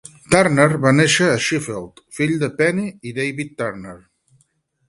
Turner va néixer a Sheffield, fill de Penny i David Turner.